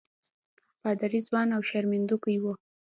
پادري ځوان او شرمېدونکی وو.